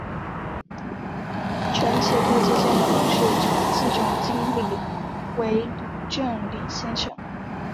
承启科技现任董事长暨总经理为吕礼正先生。